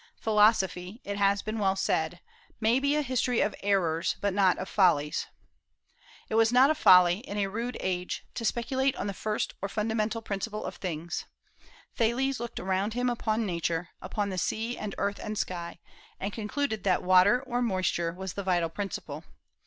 _ "Philosophy," it has been well said, "maybe a history of _errors_^ but not of follies". It was not a folly, in a rude age, to speculate on the first or fundamental principle of things. Thales looked around him upon Nature, upon the sea and earth and sky, and concluded that water or moisture was the vital principle.